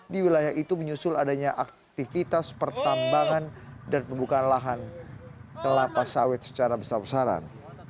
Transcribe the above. di wilayah itu menyusul adanya aktivitas pertambangan dan pembukaan lahan kelapa sawit secara besar besaran